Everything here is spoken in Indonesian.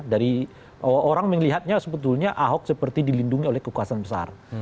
dari orang melihatnya sebetulnya ahok seperti dilindungi oleh kekuasaan besar